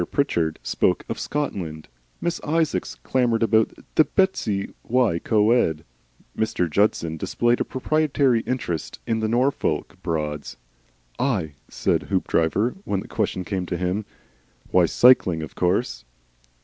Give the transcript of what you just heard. Pritchard spoke of "Scotland," Miss Isaacs clamoured of Bettws y Coed, Mr. Judson displayed a proprietary interest in the Norfolk Broads. "I?" said Hoopdriver when the question came to him. "Why, cycling, of course."